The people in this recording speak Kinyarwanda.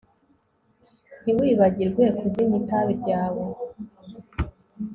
Ntiwibagirwe kuzimya itabi ryawe